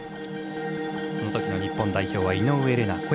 そのときの日本代表は井上怜奈